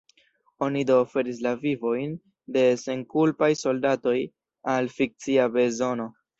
Oni do oferis la vivojn de senkulpaj soldatoj al fikcia bezono.